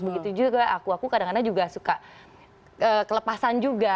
begitu juga aku aku kadang kadang juga suka kelepasan juga